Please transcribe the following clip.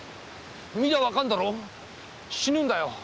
見りゃわかるだろ死ぬんだよ！